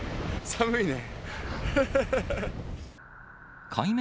寒いね。